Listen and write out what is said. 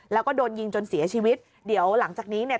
แล้วก็โดนยิงจนเสียชีวิตเดี๋ยวหลังจากนี้เนี่ย